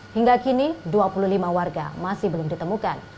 hingga kini dua puluh lima warga masih belum ditemukan